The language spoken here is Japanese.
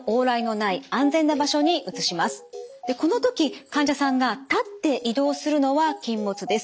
でこの時患者さんが立って移動するのは禁物です。